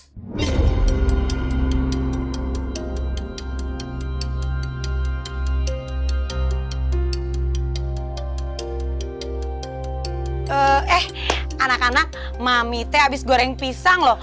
eh anak anak mami teh habis goreng pisang loh